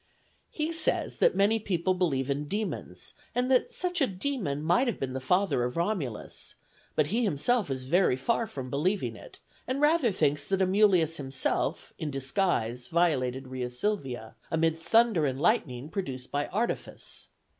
He says that many people believe in demons, and that such a demon might have been the father of Romulus; but he himself is very far from believing it, and rather thinks that Amulius himself, in disguise, violated Rea Silvia amid thunder and lightning produced by artifice.